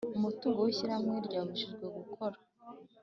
Umutungo w ishyirahamwe ryabujijwe gukora